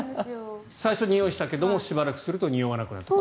最初、においしたけれどもしばらくするとにおわなくなった。